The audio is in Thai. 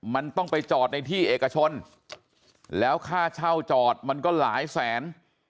มันต้องไปจอดในที่เอกชนแล้วค่าเช่าจอดมันก็หลายแสน